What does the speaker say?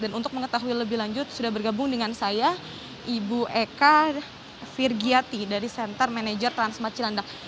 dan untuk mengetahui lebih lanjut sudah bergabung dengan saya ibu eka virgyati dari senter manajer transmarcilandak